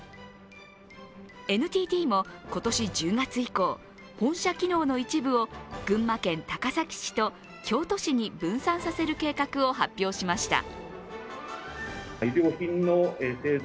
ＮＴＴも今年１０月以降本社機能の一部を群馬県高崎市と京都市に分散させる計画を発表しました。